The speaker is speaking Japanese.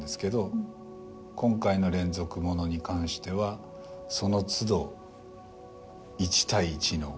今回の連続物に関してはその都度１対１のこう。